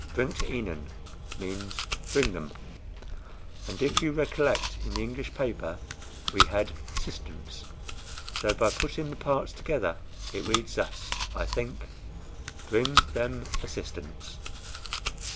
BRINGT IHNEN means BRING THEM; and, if you recollect, in the English paper we had SSISTANCE, so by putting the parts together, it reads thus, I think: 'BRING THEM ASSISTANCE.